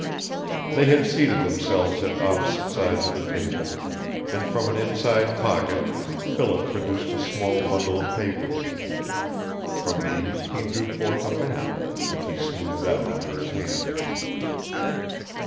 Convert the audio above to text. They had seated themselves at opposite sides of the table, and from an inside pocket Philip produced a small bundle of papers. From these he drew forth a map, which he smoothed out under his hands.